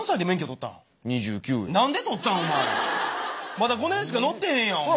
まだ５年しか乗ってへんやんお前。